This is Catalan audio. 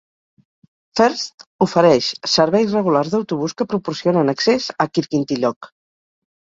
First ofereix serveis regulars d'autobús que proporcionen accés a Kirkintilloch.